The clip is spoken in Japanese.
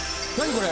これ。